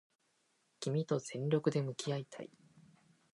君と全力で向き合いたい